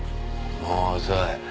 もう遅い。